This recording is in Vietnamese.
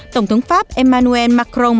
tổng thống pháp emmanuel macron